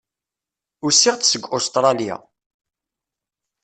Usiɣ-d seg Ustṛalya.